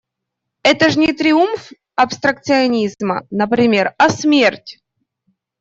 Это ж не триумф абстракционизма, например, а смерть…